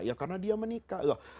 ya karena dia menikah